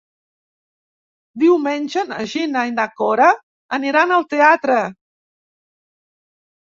Diumenge na Gina i na Cora aniran al teatre.